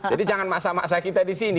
jadi jangan maksa maksa kita di sini